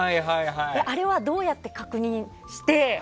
あれは、どうやって確認して。